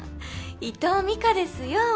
伊藤美香ですよ。